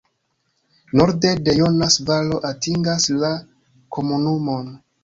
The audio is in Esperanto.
Norde la Jonas-valo atingas la komunumon.